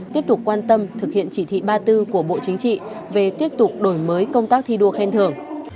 tiếp tục quan tâm thực hiện chỉ thị ba mươi bốn của bộ chính trị về tiếp tục đổi mới công tác thi đua khen thưởng